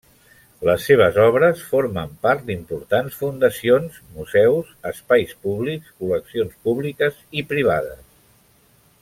Les seves obres formen part d’importants fundacions, museus, espais públics, col·leccions públiques i privades.